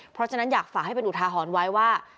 เพราะฉะนั้นอยากฝากให้เป็นอุทาหรณ์ไว้ว่า